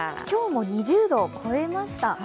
今日も２０度を超えました。